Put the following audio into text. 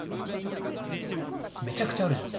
めちゃくちゃあるじゃん。